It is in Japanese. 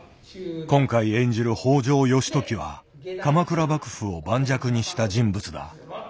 今回演じる北条義時は鎌倉幕府を盤石にした人物だ。